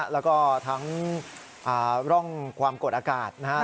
แล้วก็ทั้งร่องความกดอากาศนะครับ